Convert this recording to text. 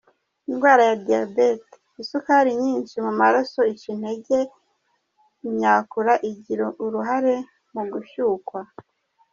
Indwara ya diyabete : Isukari nyinshi mu maraso ica intege imyakura igira uruhare mu gushyukwa.